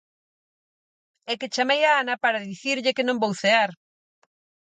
– É que chamei a Ana para dicirlle que non vou cear.